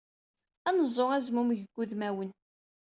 Ad neẓẓu azmumeg deg wudmawen.